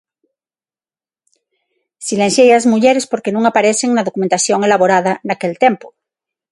Silenciei ás mulleres porque non aparecen na documentación elaborada naquel tempo.